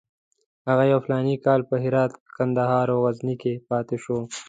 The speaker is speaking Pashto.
هغه یو فلاني کال په هرات، کندهار او غزني کې پاتې شو.